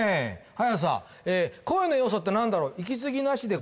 速さ「声の要素って何だろ？」